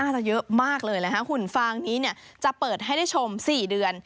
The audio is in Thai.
น่าจะเยอะมากเลยแล้วรึเครื่องฟางจะเปิดให้ได้ชม๔เดือน